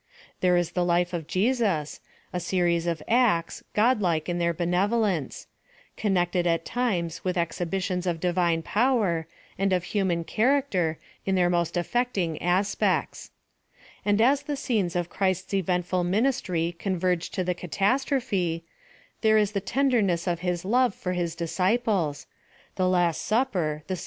There is the life of Jesus, a series of acts, godlike in their benevolence ; con nected at times with exhibitions of divine power, and of human character, in their most affecting as pects. And as the scenes of Christ's eventful min istry converge to the catastrophe, there is the ten derness of his love for the disciples — the last supper •« The proper drapery for music is truth.